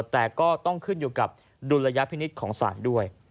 แต่ก็ต้องขึ้นอยู่กับดุลยพินิษฐ์ของศาลด้วย